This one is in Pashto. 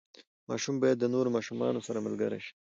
ماشوم باید د نورو ماشومانو سره ملګری شي.